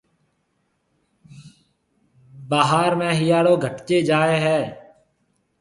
ڀاھار ۾ ھيَََاݪو گھٽجيَ جائيَ ھيََََ